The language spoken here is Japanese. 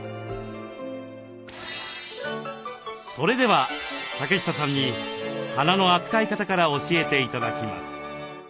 それでは竹下さんに花の扱い方から教えて頂きます。